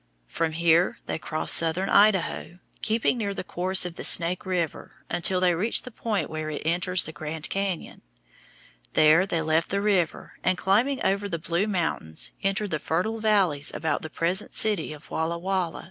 From here they crossed southern Idaho, keeping near the course of the Snake River until they reached the point where it enters the grand cañon; there they left the river, and climbing over the Blue Mountains, entered the fertile valleys about the present city of Walla Walla.